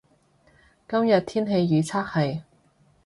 今日天氣預測係